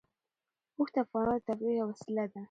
اوښ د افغانانو د تفریح یوه وسیله ده.